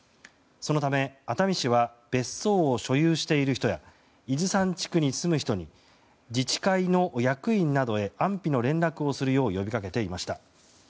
そのため、熱海市は別荘を所有している人や伊豆山地区に住む人に自治会の役員などに安否の連絡をするよう呼びかけていました。